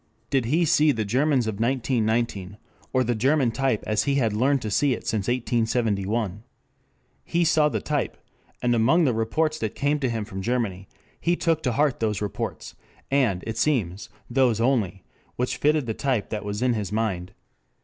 Did he see the Germans of 1919, or the German type as he had learned to see it since 1871? He saw the type, and among the reports that came to him from Germany, he took to heart those reports, and, it seems, those only, which fitted the type that was in his mind.